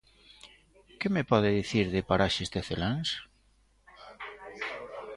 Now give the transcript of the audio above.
¿Que me pode dicir de Paraxes Teceláns?